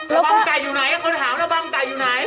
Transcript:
ระวังไก่อยู่ไหนคนถามระบังไก่อยู่ไหน